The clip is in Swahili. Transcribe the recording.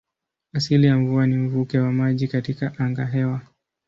Asili ya mvua ni mvuke wa maji katika angahewa.